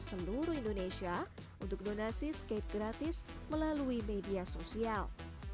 seluruh indonesia untuk donasi skate gratis melalui media sosial